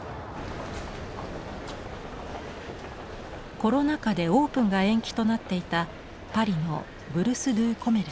コロナ禍でオープンが延期となっていたパリの「ブルス・ドゥ・コメルス」。